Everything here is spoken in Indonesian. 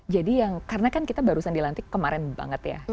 jadi yang karena kan kita barusan dilantik kemarin banget ya